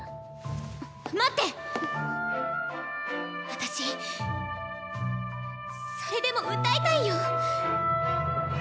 私それでも歌いたいよ！